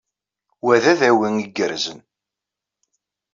Wa d adawi ay igerrzen.